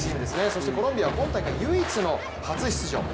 そしてコロンビアは今大会唯一の初出場。